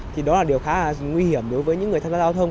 thì đó là điều khá là nguy hiểm đối với những người tham gia giao thông